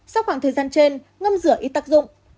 sau khoảng thời gian trên ngâm rửa y tắc dụng